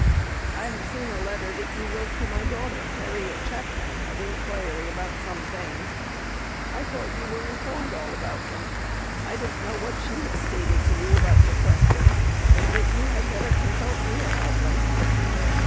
"I have seen a letter that you wrote to my daughter, Harriet Chapman, of inquiry about some things. I thought you were informed all about them. I don't know what she has stated to you about your questions; but you had better consult me about them.